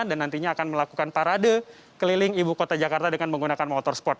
dan nantinya akan melakukan parade keliling ibu kota jakarta dengan menggunakan motorsport